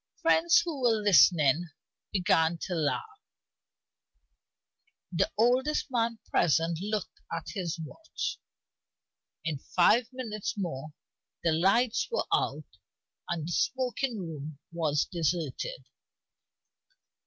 Friends who were listening began to laugh. The oldest man present looked at his watch. In five minutes more the lights were out and the smoking room was deserted.